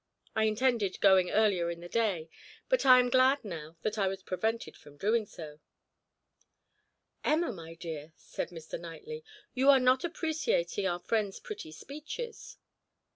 I intended going earlier in the day, but I am glad now that I was prevented from doing so." "Emma, my dear," said Mr. Knightley, "you are not appreciating our friend's pretty speeches."